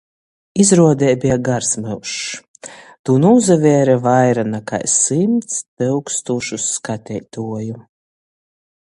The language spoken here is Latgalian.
Izruodei beja gars myužs – tū nūsavēre vaira nakai symts tyukstūšys skaiteituoju.